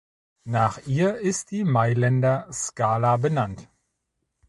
Nach ihr ist die Mailänder Scala benannt.